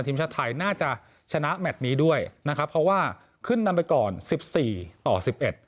ทีมชาติไทยน่าจะชนะแมทนี้ด้วยนะครับเพราะว่าขึ้นนำไปก่อนสิบสี่ต่อสิบเอ็ด